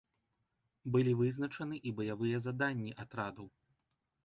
Былі вызначаны і баявыя заданні атрадаў.